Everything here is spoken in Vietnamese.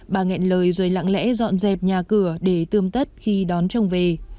bà nghẹn lời rồi lặng lẽ dọn dẹp nhà cửa để tươm tất khi đón chồng về